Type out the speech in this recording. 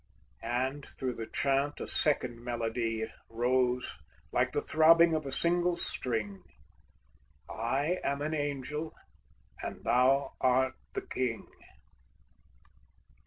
And through the chant a second melody Rose like the throbbing of a single string: "I am an Angel, and thou art the King!"